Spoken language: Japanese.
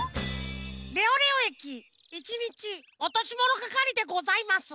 レオレオ駅１にちおとしものがかりでございます。